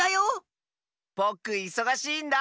ぼくいそがしいんだ。